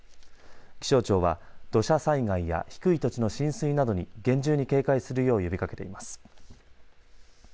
気象庁は土砂災害や低い土地の浸水などに厳重に警戒するよう呼びかけています。